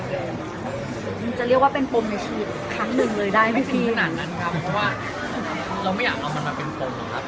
ไม่สินานนั้นครับเพราะว่าเราไม่อยากเอามันมาเป็นปมหรอกครับ